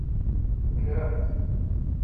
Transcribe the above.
Kkremt.